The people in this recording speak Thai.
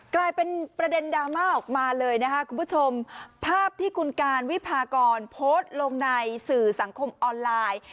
กลายเป็นประเด็นดราม่าออกมาเลยนะคะคุณผู้ชมภาพที่คุณการวิพากรโพสต์ลงในสื่อสังคมออนไลน์